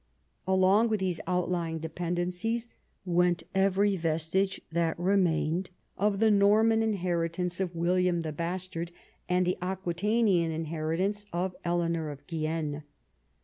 Along with these outlying dependencies, went every vestige that remained of the Norman inheritance of William the Bastard and the Aquitanian inheritance of Eleanor of Guienne.